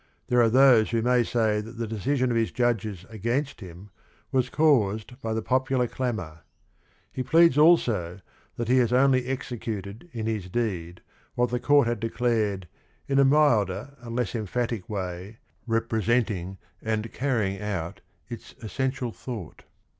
There are those who may say that the decision of his judges against him was caused by the popular clamor. He pleads also that he has only executed in his deed what the court had declared in a milder and less emphatic way, representing and carrying out its essential thought.